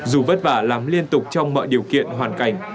dù vất vả làm liên tục trong mọi điều kiện hoàn cảnh